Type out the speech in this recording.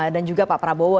dan juga pak prabowo